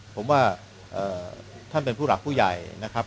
ผมว่าท่านเป็นผู้หลักผู้ใหญ่นะครับ